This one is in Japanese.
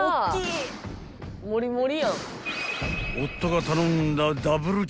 ［夫が頼んだ］